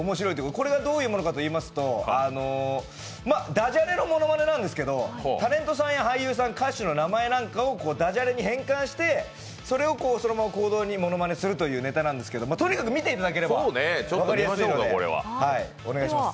これがどういうものかといいますとだじゃれのものまねなんですけど、タレントさん、俳優さん、歌手の名前なんかをダジャレに変換して、それを行動にものまねするというネタなんですけど、とにかく見ていただければ分かりやすいので、お願いします。